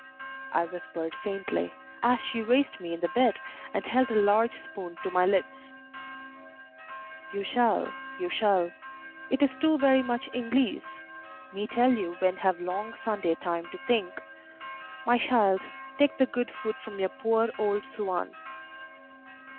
I whispered faintly, as she raised me in the bed and held a large spoon to my lips. "You shall you shall; it is too very much Inglese; me tell you when have long Sunday time to think. My shild, take the good food from poor old Suan."